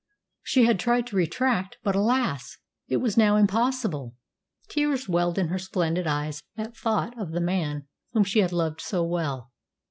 She had tried to retract; but, alas! it was now impossible. Tears welled in her splendid eyes at thought of the man whom she had loved so well.